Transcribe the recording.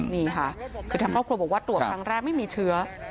นี่ค่ะคือทางครอบครัวบอกว่าตรวจครั้งแรกไม่มีเชื้อ